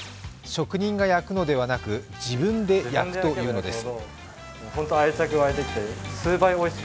職人が焼くのではなく自分で焼くというのです。